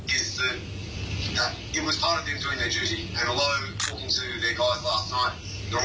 เข้าใจว่าซักทีมที่ต้องเข้ามาความล้อมของตัวเอง